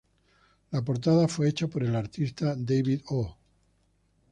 La portada fue hecha por el artista David Ho.